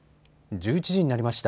１１時になりました。